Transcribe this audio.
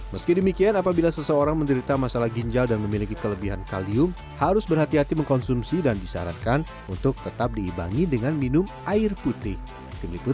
meski demikian apabila seseorang menderita masalah ginjal dan memiliki kelebihan kalium harus berhati hati mengkonsumsi dan disarankan untuk tetap diibangi dengan minum air putih